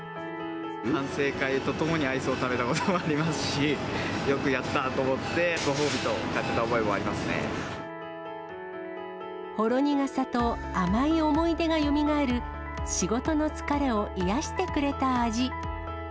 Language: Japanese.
反省会とともにアイスを食べたこともありますし、よくやったと思って、ご褒美と、ほろ苦さと甘い思い出がよみがえる、仕事の疲れを癒やしてくれた味。